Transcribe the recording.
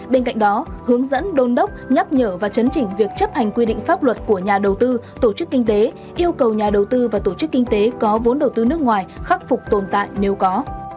bên cạnh đó hướng dẫn đôn đốc nhắc nhở và chấn chỉnh việc chấp hành quy định pháp luật của nhà đầu tư tổ chức kinh tế yêu cầu nhà đầu tư và tổ chức kinh tế có vốn đầu tư nước ngoài khắc phục tồn tại nếu có